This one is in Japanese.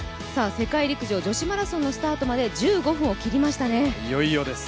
世界陸上女子マラソンのスタートまで１５分を切りましたね。